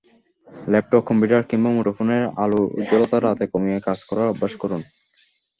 Laptop computer কিংবা মুঠোফোনের আলোর উজ্জ্বলতা রাতে কমিয়ে কাজ করার অভ্যাস করুন।